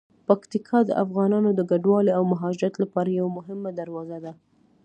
پکتیکا د افغانانو د کډوالۍ او مهاجرت لپاره یوه مهمه دروازه ده.